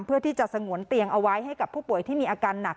เพื่อที่จะสงวนเตียงเอาไว้ให้กับผู้ป่วยที่มีอาการหนัก